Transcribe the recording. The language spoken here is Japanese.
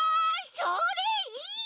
それいい！